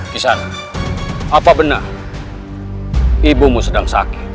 kisan apa benar ibumu sedang sakit